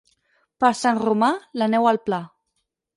Per Sant Romà, la neu al pla.